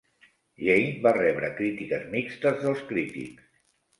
Jane va rebre crítiques mixtes dels crítics.